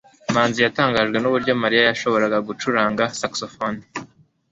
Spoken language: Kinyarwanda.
manzi yatangajwe nuburyo mariya yashoboraga gucuranga saxofone